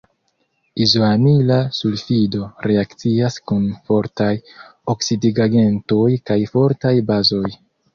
Izoamila sulfido reakcias kun fortaj oksidigagentoj kaj fortaj bazoj.